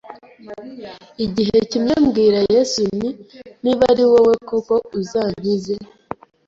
Igihe kimwe mbwira Yesu nti niba ari wowe koko uzankize